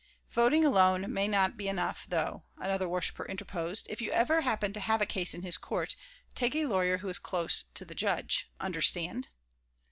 "Voting alone may not be enough, though," another worshiper interposed. "If you ever happen to have a case in his court, take a lawyer who is close to the judge. Understand?"